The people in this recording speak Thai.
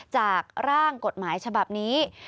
จากร่างกฎหมายฉบับนี้